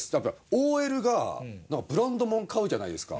ＯＬがブランド物買うじゃないですか？